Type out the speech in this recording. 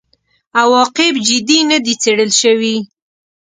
عواقب جدي نه دي څېړل شوي.